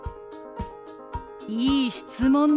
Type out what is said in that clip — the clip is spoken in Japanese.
いい質問ね。